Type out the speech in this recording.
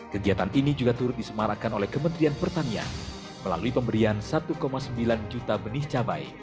kegiatan ini juga turut disemarakan oleh kementerian pertanian melalui pemberian satu sembilan juta benih cabai